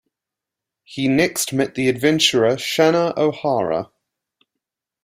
He next met the adventurer Shanna O'Hara.